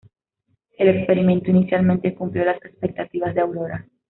El experimento inicialmente cumplió las expectativas de Aurora.